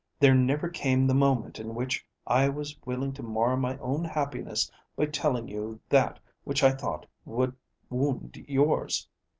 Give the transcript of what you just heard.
There never came the moment in which I was willing to mar my own happiness by telling you that which I thought would wound yours.